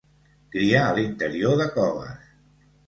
Cria a l'interior de coves.